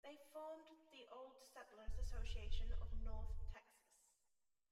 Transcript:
They formed the Old Settlers Association of North Texas.